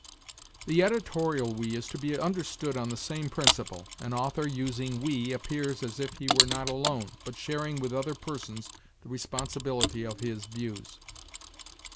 "The editorial 'we' is to be understood on the same principle. An author using 'we' appears as if he were not alone, but sharing with other persons the responsibility of his views.